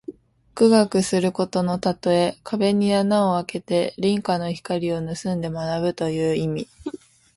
苦学することのたとえ。壁に穴をあけて隣家の光をぬすんで学ぶという意味。